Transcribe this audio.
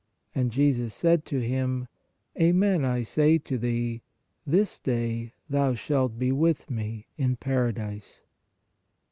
And Jesus said to him: Amen I say to thee: This day thou shalt be with Me in paradise."